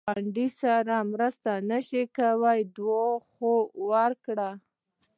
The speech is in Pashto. که ګاونډي سره مرسته نشې کولای، دعا خو وکړه